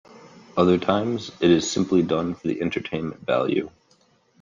Other times, it is simply done for the entertainment value.